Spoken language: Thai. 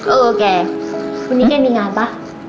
เออแกวันนี้แกมีงานป่ะ